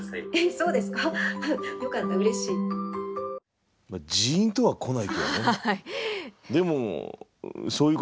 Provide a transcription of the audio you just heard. そうですかはい。